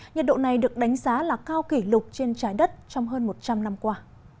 nhiệt độ này được đánh giá là cao kỷ lục trên trái đất trong hơn một trăm linh năm qua